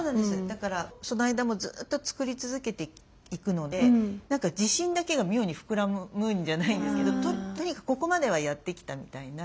だからその間もずっと作り続けていくので何か自信だけが妙に膨らむんじゃないんですけどとにかくここまではやって来たみたいな。